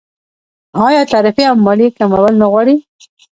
آیا تعرفې او مالیې کمول نه غواړي؟